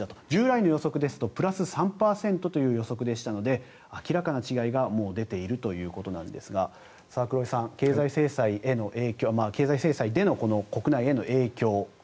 従来の予測ですとプラス３％という予測でしたので明らかな違いがもう出ているということなんですが黒井さん経済制裁での国内への影響